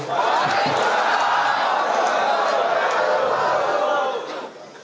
wa'alaikumsalam warahmatullahi wabarakatuh